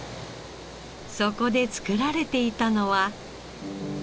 そこで作られていたのは。